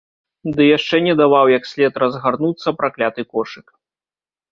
Ды яшчэ не даваў як след разгарнуцца пракляты кошык.